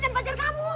dan pacar kamu